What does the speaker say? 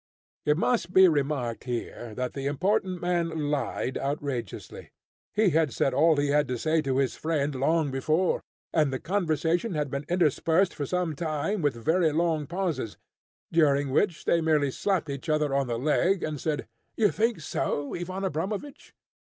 It must be remarked here that the important man lied outrageously. He had said all he had to say to his friend long before, and the conversation had been interspersed for some time with very long pauses, during which they merely slapped each other on the leg, and said, "You think so, Ivan Abramovich!"